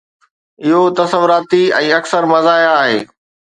اهو تصوراتي ۽ اڪثر مزاحيه آهي